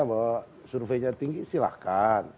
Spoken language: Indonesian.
bahwa surveinya tinggi silahkan